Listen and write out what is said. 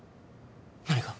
何か？